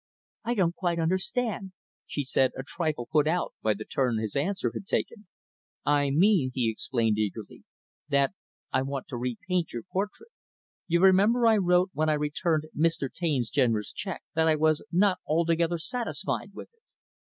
"I don't quite understand," she said, a trifle put out by the turn his answer had taken. "I mean," he explained eagerly, "that I want to repaint your portrait. You remember, I wrote, when I returned Mr. Taine's generous check, that I was not altogether satisfied with it.